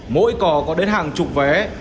mỗi cỏ có đến hàng chục vé